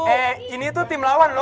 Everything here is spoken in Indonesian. eh ini tuh tim lawan loh